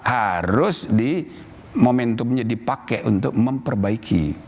harus di momentumnya dipakai untuk memperbaiki